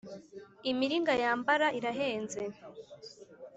Imiringa yambara irahenze